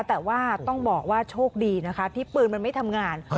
แต่ว่าต้องบอกว่าโชคดีนะคะที่ปืนมันไม่ทำงาน